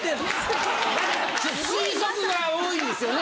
推測が多いですよね。